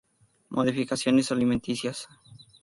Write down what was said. Modificaciones alimenticias.